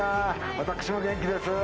私は元気です。